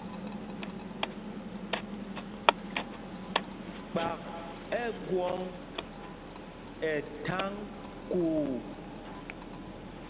Kpak ɛ́ gwɔ̌ŋ ɛ tháŋ kuu.